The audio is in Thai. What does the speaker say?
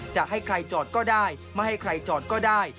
จะให้ใครจอดก็ได้ไม่ให้ใครจอดก็ได้